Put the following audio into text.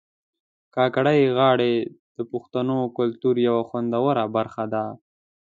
کاکړۍ غاړي د پښتنو کلتور یو خوندوره برخه ده